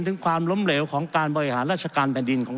ถึงความล้มเหลวของการบริหารราชการแผ่นดินของ